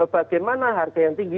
bagaimana harga yang tinggi